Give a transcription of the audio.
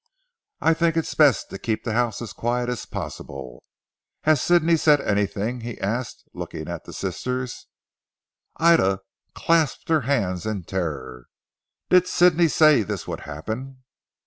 "I think it is best to keep the house as quiet as possible. Has Sidney said anything?" he asked looking at the sisters. Ida clasped her hands in terror. "Did Sidney say this would happen?"